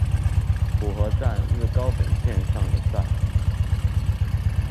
浦河站日高本线上的站。